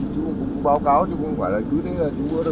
chú cũng báo cáo chú không phải là cứ thế là chú có được đâu